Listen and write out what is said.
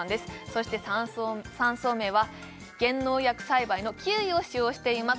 そして３層目は減農薬栽培のキウイを使用しています